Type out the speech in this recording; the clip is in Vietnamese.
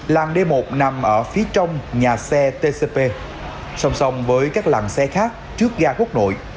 làng d một nằm ở phía trong nhà xe tcp song song với các làng xe khác trước ga quốc nội